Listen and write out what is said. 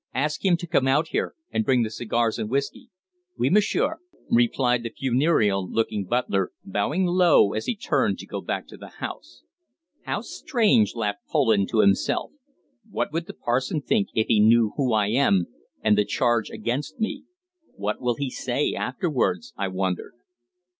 Ask him to come out here, and bring the cigars and whisky." "Oui, M'sieur," replied the funereal looking butler, bowing low as he turned to go back to the house. "How strange!" laughed Poland to himself. "What would the parson think if he knew who I am, and the charge against me? What will he say afterwards, I wonder?"